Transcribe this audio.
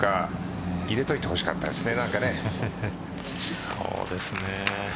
入れといてほしかったですね。